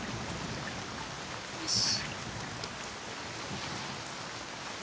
よし。